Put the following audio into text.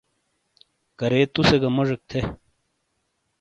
کَرے تُسے گَہ موجیک تھے۔